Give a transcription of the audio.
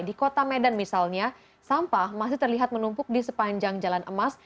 di kota medan misalnya sampah masih terlihat menumpuk di sepanjang jalan emas